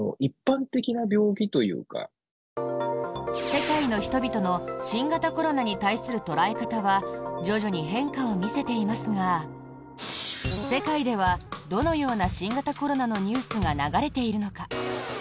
世界の人々の新型コロナに対する捉え方は徐々に変化を見せていますが世界ではどのような新型コロナのニュースが流れているのか。